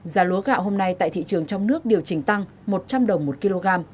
giá lúa gạo hôm nay tại thị trường trong nước điều chỉnh tăng một trăm linh đồng một kg